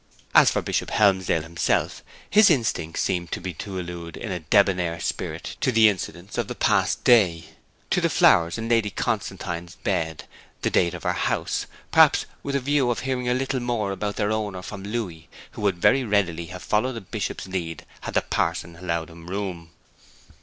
As for Bishop Helmsdale himself, his instincts seemed to be to allude in a debonair spirit to the incidents of the past day to the flowers in Lady Constantine's beds, the date of her house perhaps with a view of hearing a little more about their owner from Louis, who would very readily have followed the Bishop's lead had the parson allowed him room.